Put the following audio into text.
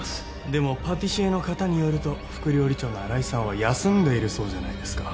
でもパティシエの方によると副料理長の新井さんは休んでいるそうじゃないですか。